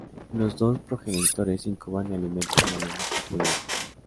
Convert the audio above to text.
Los dos progenitores incuban y alimentan al único polluelo.